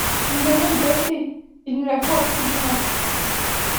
Nous allons y passer… il nous la faut absolument…